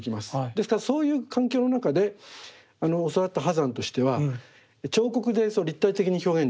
ですからそういう環境の中で教わった波山としては彫刻で立体的に表現できる。